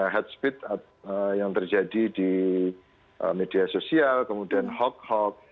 hatspeed yang terjadi di media sosial kemudian hok hok